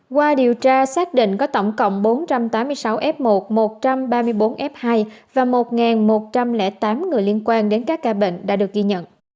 qua điều tra xác định có tổng cộng bốn trăm tám mươi sáu f một một trăm ba mươi bốn f hai và một một trăm linh tám người liên quan đến các ca bệnh đã được ghi nhận